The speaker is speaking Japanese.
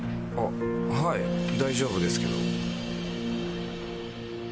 あっはい大丈夫ですけど。